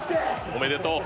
おめでとう。